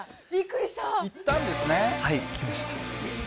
はい行きました。